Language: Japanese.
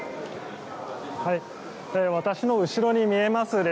私の後ろに見えます